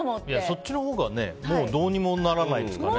そっちのほうがもうどうにもならないですからね。